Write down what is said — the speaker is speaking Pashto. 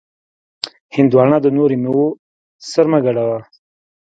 هندوانه د نورو میوو سره مه ګډوه.